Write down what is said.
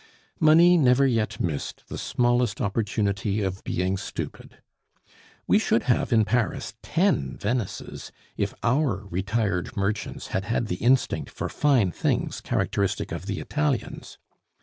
Money never yet missed the smallest opportunity of being stupid. We should have in Paris ten Venices if our retired merchants had had the instinct for fine things characteristic of the Italians.